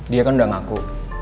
dia kan udah ngaku